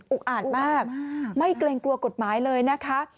อ่านมากไม่เกรงกลัวกฎหมายเลยนะคะ